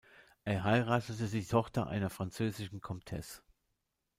Er heiratete die Tochter einer französischen Komtesse.